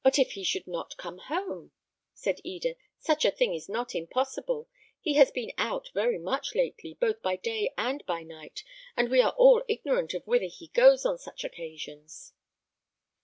"But if he should not come home?" said Eda; "such a thing is not impossible. He has been out very much lately, both by day and by night, and we are all ignorant of whither he goes on such occasions."